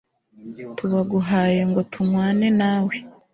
tubaguhaye ngo tunywane nawe